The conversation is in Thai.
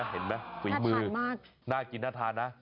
เห็นมั้ยฝีมือหน้ากินน่าทานนะ